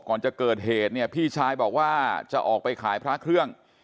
ก่อนจะเกิดเหตุเนี่ยพี่ชายบอกว่าจะออกไปขายพระเครื่อง